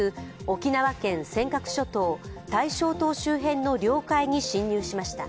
沖縄県尖閣諸島・大正島周辺の領海に侵入しました。